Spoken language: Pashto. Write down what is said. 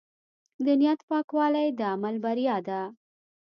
د نیت پاکوالی د عمل بریا ده.